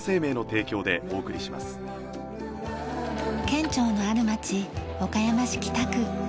県庁のある街岡山市北区。